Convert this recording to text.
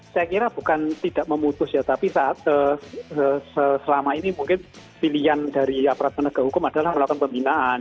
saya kira bukan tidak memutus ya tapi saat selama ini mungkin pilihan dari aparat penegak hukum adalah melakukan pembinaan